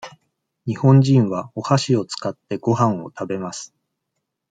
日本人はおはしを使って、ごはんを食べます。